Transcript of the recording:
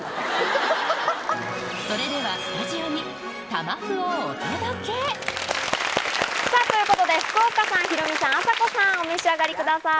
それでは、スタジオにたま麩さあ、ということで、福岡さん、ヒロミさん、あさこさん、お召し上がりください。